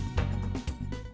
trong ba ngày tới